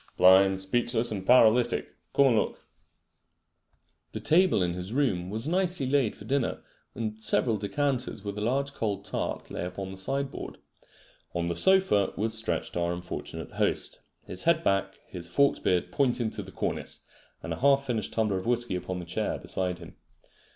"Blind, speechless and paralytic. Come and look." The table in his room was nicely laid for dinner, and several decanters with a large cold tart lay upon the sideboard. On the sofa was stretched our unfortunate host, his head back, his forked beard pointing to the cornice, and a half finished tumbler of whisky upon the chair beside him.